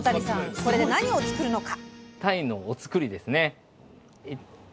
これで何を作るのか？